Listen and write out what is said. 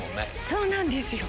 そうなんですよ。